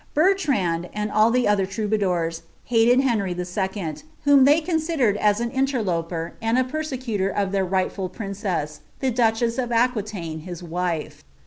Bertrand, and all the other Iroubadoan, haia) Bmtf II., whom they considered as an interloper, and a pen^uior of An rightful princess, the duchess of Aquitaine, hia wife.